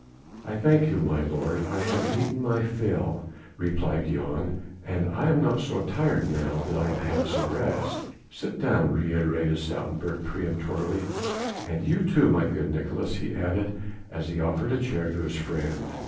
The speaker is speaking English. "I thank you, my lord, I have eaten my fill," replied Jan, "and I am not so tired now that I have had some rest." "Sit down," reiterated Stoutenburg peremptorily, "and you too, my good Nicolaes," he added as he offered a chair to his friend.